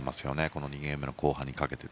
この２ゲーム目の後半にかけて。